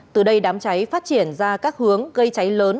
từ đây đám cháy phát triển ra các hướng gây cháy lớn